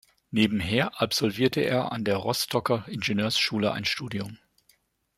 Nebenher absolvierte er an der Rostocker Ingenieurschule ein Studium.